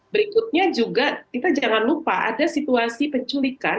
berikutnya juga kita jangan lupa ada situasi penculikan